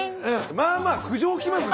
まあまあ苦情きますよ